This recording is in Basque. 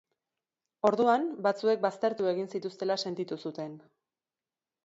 Orduan, batzuek baztertu egin zituztela sentitu zuten.